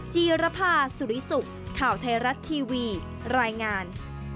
จีรภาสุริสุขข่าวไทยรัฐทีวีรายงาน